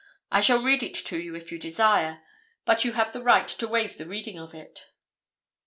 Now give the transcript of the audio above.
I shall read it to you if you desire, but you have the right to waive the reading of it?"